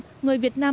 dùng hàng việt nam